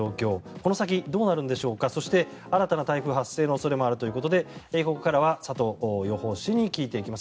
この先、どうなるんでしょうかそして新たな台風発生の恐れもあるということでここからは佐藤予報士に聞いていきます。